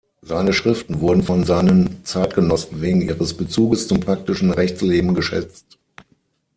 Seine Schriften wurden von seinen Zeitgenossen wegen ihres Bezuges zum praktischen Rechtsleben geschätzt.